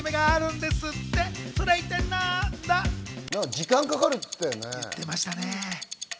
時間かかるって言ってたね。